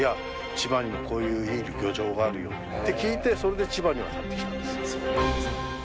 千葉にもこういういい漁場があるよって聞いてそれで千葉に渡ってきたんです。